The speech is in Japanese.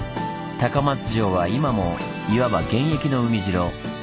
高松城は今もいわば現役の海城。